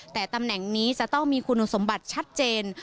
แต่ตำแหน่งนี้จะต้องมีคุณสมบัติชัดเจน